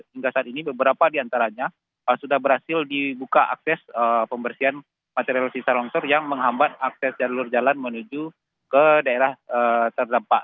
hingga saat ini beberapa diantaranya sudah berhasil dibuka akses pembersihan material sisa longsor yang menghambat akses jalur jalan menuju ke daerah terdampak